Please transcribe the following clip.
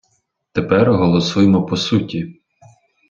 Тепер голосуємо по суті.